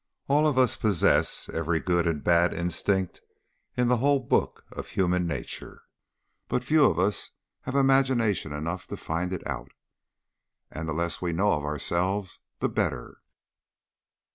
All of us possess every good and bad instinct in the whole book of human nature, but few of us have imagination enough to find it out. And the less we know of ourselves the better."